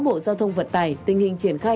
bộ giao thông vận tài tình hình triển khai